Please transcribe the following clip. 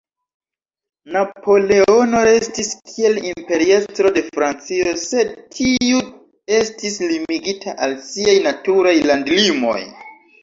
Napoleono restis kiel Imperiestro de Francio, sed tiu estis limigita al siaj "naturaj landlimoj".